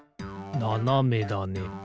ななめだね。